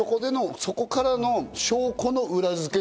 そこからの証拠の裏付け。